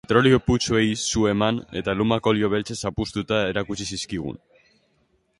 Petrolio putzuei su eman eta lumak olio beltzez zapuztuta erakutsi zizkigun.